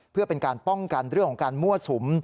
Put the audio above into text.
เพื่อเป็นการป้องกันเรื่องของการมั่วสุม